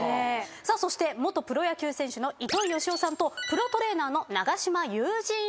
さあそして元プロ野球選手の糸井嘉男さんとプロトレーナーの長島ユージーンさんです。